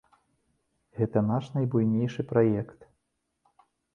Гэта наш найбуйнейшы праект.